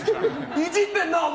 イジってんな、お前！